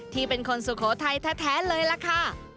ที่เป็นคนสุโขทัยแท้เลยล่ะค่ะ